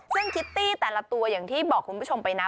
ซึ่งคิตตี้แต่ละตัวอย่างที่บอกคุณผู้ชมไปนะ